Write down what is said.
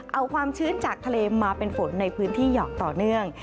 เอาความชื้นจากทะเลมาเป็นฝนในพื้นที่หยอกต่อเนื่อง